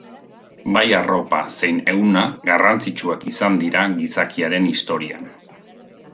Bai arropa zein ehuna garrantzitsuak izan dira gizakiaren historian.